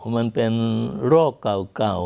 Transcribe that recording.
มันเป็นโรคเก่า